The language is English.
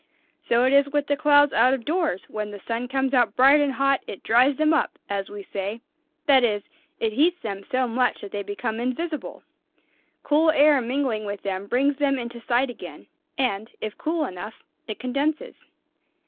So it is with the clouds out of doors; when the sun comes out bright and hot, it dries them up, as we say; that is, it heats them so much that they become invisible. Cool air mingling with them brings them into sight again; and, if cool enough, it condenses."